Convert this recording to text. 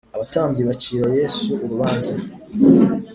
Abatambyi bacira Yesu urubanza